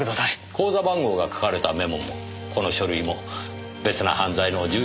口座番号が書かれたメモもこの書類も別の犯罪の重要な証拠です。